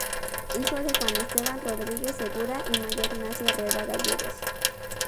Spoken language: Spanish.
Hijo de Juan Esteban Rodríguez Segura y María Ignacia Herrera Gallegos.